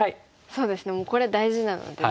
そうですねこれ大事なのでね。